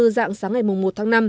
dạng sáng ngày một tháng năm